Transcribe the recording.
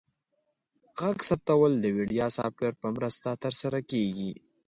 غږ ثبتول د وړیا سافټویر په مرسته ترسره کیږي.